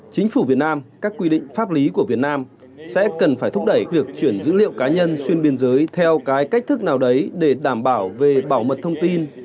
chính phủ việt nam các quy định pháp lý của việt nam sẽ cần phải thúc đẩy việc chuyển dữ liệu cá nhân xuyên biên giới theo cái cách thức nào đấy để đảm bảo về bảo mật thông tin